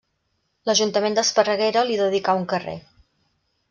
L'ajuntament d'Esparreguera li dedicà un carrer.